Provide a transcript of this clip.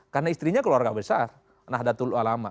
karena istrinya keluarga besar nahdlatul ulama